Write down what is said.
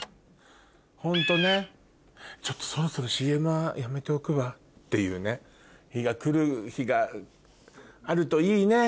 ホントねちょっとそろそろＣＭはやめておくわっていうね日があるといいね。